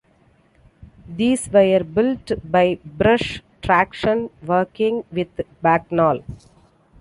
These were built by Brush Traction working with Bagnall.